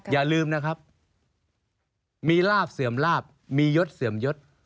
อย่าลืมนะครับมีลาบเสื่อมลาบมียศเสื่อมยศ